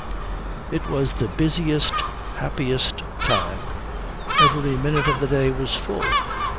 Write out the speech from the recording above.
It was the busiest, happiest time. Every minute of the day was full.